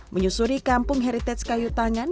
menyusuri kampung heritage kayu tangan